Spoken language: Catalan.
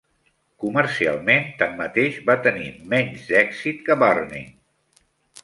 Comercialment, tanmateix, va tenir menys d'èxit que "Burning".